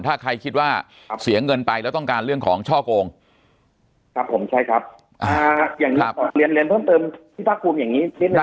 ถ้าใครคิดว่าเสียเงินไปแล้วต้องการเรื่องของช่อโกงครับผมใช่ครับอย่างนี้เรียนเรียนเพิ่มเติมพี่ภาคภูมิอย่างนี้นิดหนึ่ง